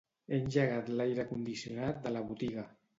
He engegat l'aire condicionat de la botiga